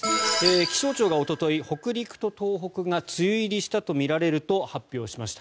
気象庁がおととい、北陸と東北が梅雨入りしたとみられると発表しました。